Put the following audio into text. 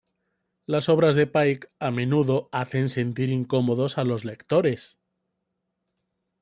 Las obras de Paik a menudo hacen sentir incómodos a los lectores.